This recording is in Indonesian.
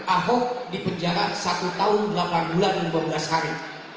ahok dipenjara satu tahun delapan bulan dua belas hari